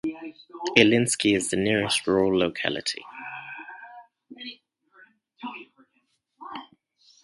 Ilyinsky is the nearest rural locality.